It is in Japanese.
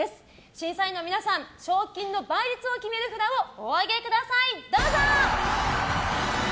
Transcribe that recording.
審査員の皆さん賞金の倍率を決める札をお上げください。